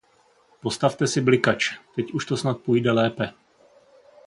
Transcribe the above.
Postavte si blikač – teď už to snad půjde lépe